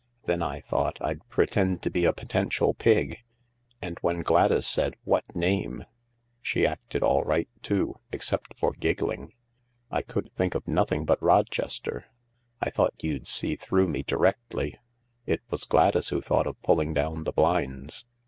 Then I thought I'd pretend to be a potential Pig, and when Gladys said, ' What THE LARK 215 name ?'— she acted all right too, except for giggling — I could think of nothing but Rochester. I thought you'd see through me directly. It was Gladys who thought of pulling down the blinds.